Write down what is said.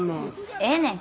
ええねん。